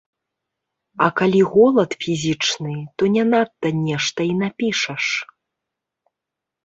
А калі голад фізічны, то не надта нешта і напішаш!